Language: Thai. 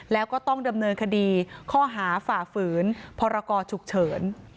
แล้วก็ต้องดำเนินคดีข้อหาฝ่าฝืนพรกรฉุกเฉิน